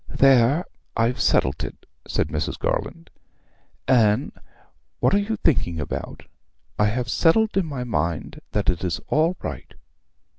'There, I've settled it,' said Mrs. Garland. 'Anne, what are you thinking about? I have settled in my mind that it is all right.'